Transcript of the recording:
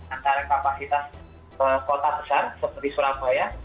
antara kapasitas kota besar seperti surabaya